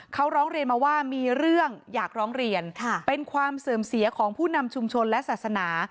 เขาร้องเรียนมาว่ามีเรื่องอยากร้องเรียนเป็นความเสื่อมเสียของผู้นำชุมชนและศาสนา